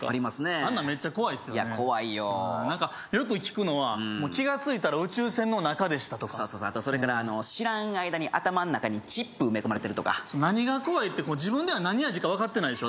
あんなんメッチャ怖いですよねいや怖いよ何かよく聞くのは気がついたら宇宙船の中でしたとかそうそうそうあとそれから知らん間に頭ん中にチップ埋め込まれてるとか何が怖いって自分では何味か分かってないでしょ